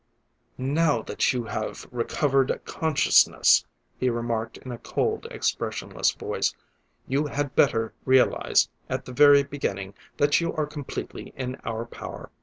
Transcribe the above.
"Now that you have recovered consciousness," he remarked in a cold, expressionless voice, "you had better realize at the very beginning that you are completely in our power.